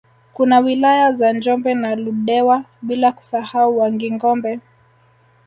Kuna wilaya za Njombe na Ludewa bila kusahau Wangingombe